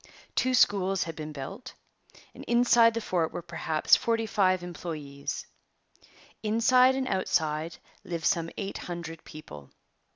Two schools had been built. Inside the fort were perhaps forty five employees. Inside and outside lived some eight hundred people.